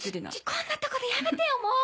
こんなとこでやめてよもう！